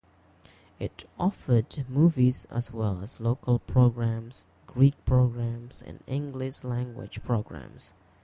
It offered movies as well as local programs, Greek programs and English language programs.